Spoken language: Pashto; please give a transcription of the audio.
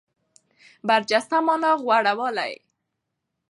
برجسته مانا غوره والی.